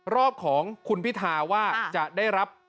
รอบของคุณพิธาว่าจะได้รับ